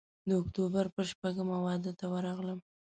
د اکتوبر پر شپږمه واده ته ورغلم.